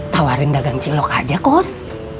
tawarin dagang cilok aja coach